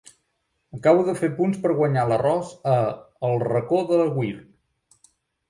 Acabo de fer punts per guanyar l'arròs a “El Racó de l'Agüir”.